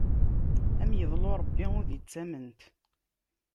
Ad am iḍlu Ṛebbi udi d tamment!